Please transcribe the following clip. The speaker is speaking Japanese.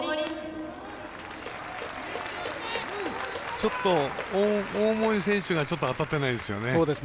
ちょっと大森選手が当たってないですよね。